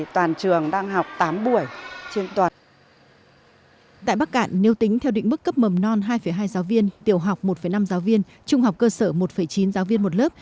tại bắc cạn nếu tính theo định mức cấp mầm non hai hai giáo viên tiểu học một năm giáo viên trung học cơ sở một chín giáo viên một lớp